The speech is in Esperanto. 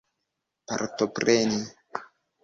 partopreni